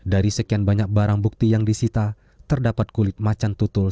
dari sekian banyak barang bukti yang disita terdapat kulit macan tutul